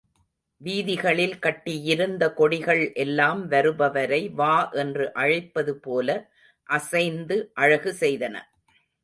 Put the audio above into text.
வீதிகளில் கட்டியிருந்த கொடிகள் எல்லாம் வருபவரை வா என்று அழைப்பது போல அசைந்து அழகு செய்தன.